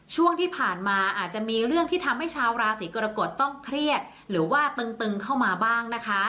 ช่วงที่ผ่านมาอาจจะมีเรื่องที่ทำให้ชาวราศีกรกฎต้องเครียดหรือว่าตึงเข้ามาบ้างนะคะ